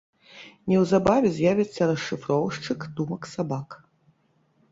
Неўзабаве з'явіцца расшыфроўшчык думак сабак.